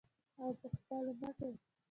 او په خپلو مټو.